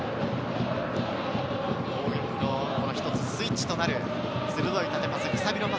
攻撃のひとつスイッチとなる鋭い縦パス。